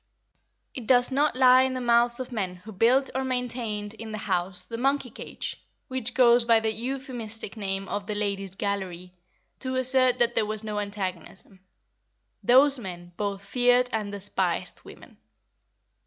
It does not lie in the mouths of men who built or maintained in the House the monkey cage, which goes by the euphemistic name of the Ladies' Gallery, to assert that there was no antagonism; those men both feared and despised women.